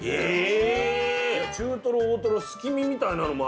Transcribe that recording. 中トロ大トロすき身みたいなのもあるし。